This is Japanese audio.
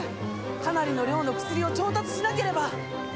かなりの量の薬を調達しなければ。